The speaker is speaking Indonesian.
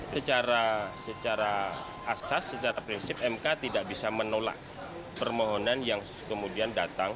secara asas secara prinsip mk tidak bisa menolak permohonan yang kemudian datang